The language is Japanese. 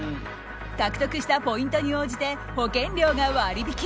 獲得したポイントに応じて保険料が割り引き。